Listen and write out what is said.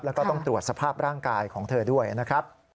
แล้วก็ต้องตรวจสภาพร่างกายของเธอด้วยนะครับ